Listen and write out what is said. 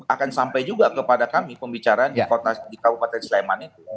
akan sampai juga kepada kami pembicaraan di kabupaten sleman itu